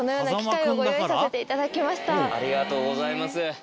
ありがとうございます。